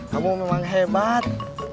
kamu memang hebat